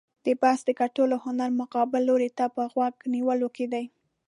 د بحث د ګټلو هنر مقابل لوري ته په غوږ نیولو کې دی.